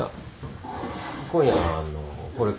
今夜はあのうこれから。